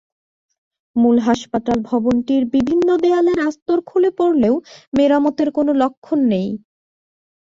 মূল হাসপাতাল ভবনটির বিভিন্ন দেয়ালের আস্তর খুলে পড়লেও মেরামতের কোনো লক্ষণ নেই।